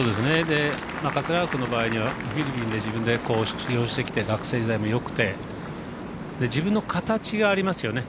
桂川君の場合にはフィリピンで自分で修業してきて学生時代もよくて自分の形がありますよね。